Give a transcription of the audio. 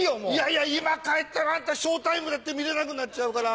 いや今帰ったらあんたショータイムだって見れなくなっちゃうから。